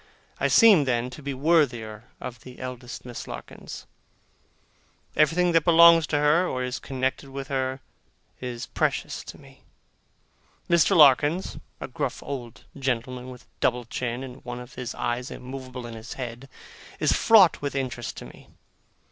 I seem, then, to be worthier of the eldest Miss Larkins. Everything that belongs to her, or is connected with her, is precious to me. Mr. Larkins (a gruff old gentleman with a double chin, and one of his eyes immovable in his head) is fraught with interest to me.